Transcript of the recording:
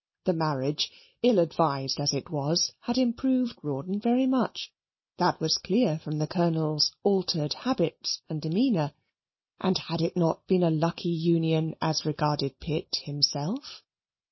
The marriage, ill advised as it was, had improved Rawdon very much that was clear from the Colonel's altered habits and demeanour and had it not been a lucky union as regarded Pitt himself?